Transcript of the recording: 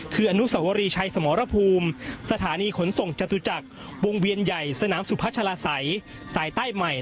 คืออนุสวรีชัยสมรภูมิสถานีขนส่งจตุจักรวงเวียนใหญ่สนามสุพัชลาศัยสายใต้ใหม่